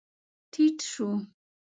ټيټ شو.